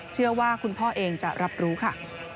เชื่อว่าคุณพ่อเองจะรับรู้ค่ะ